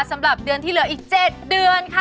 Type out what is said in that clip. สำหรับเดือนที่เหลืออีก๗เดือนค่ะ